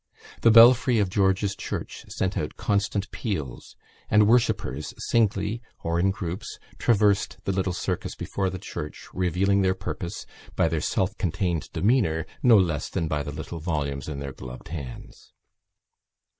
The belfry of George's Church sent out constant peals and worshippers, singly or in groups, traversed the little circus before the church, revealing their purpose by their self contained demeanour no less than by the little volumes in their gloved hands.